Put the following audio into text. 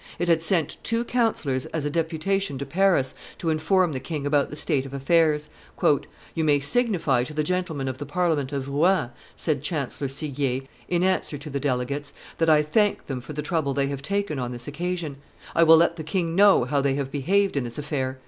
It had sent two counsellors as a deputation to Paris to inform the king about the state of affairs. "You may signify to the gentlemen of the Parliament of Rouen," said Chancellor Seguier, in answer to the delegates, "that I thank them for the trouble they have taken on this occasion; I will let the king know how they have behaved in this affair.